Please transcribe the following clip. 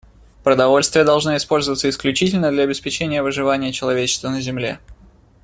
Продовольствие должно использоваться исключительно для обеспечения выживания человечества на Земле.